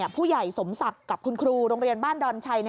ผู้ใหญ่สมศักดิ์กับคุณครูโรงเรียนบ้านดอนชัย